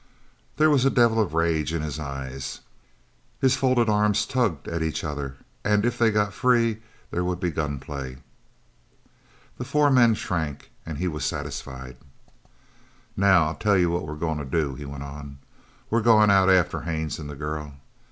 There was a devil of rage in his eyes. His folded arms tugged at each other, and if they got free there would be gun play. The four men shrank, and he was satisfied. "Now I'll tell you what we're goin' to do," he went on. "We're goin' out after Haines an' the girl.